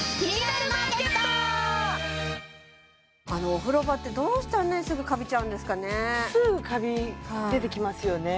お風呂場ってどうしてあんなにすぐカビちゃうんですかねすぐカビ出てきますよね